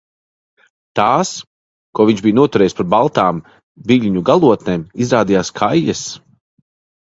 Tās, ko viņš bija noturējis par baltām viļņu galotnēm, izrādījās kaijas.